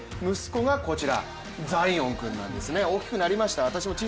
ちなみに、息子がこちら、ザイオン君なんですね。